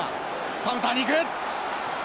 カウンターにいく！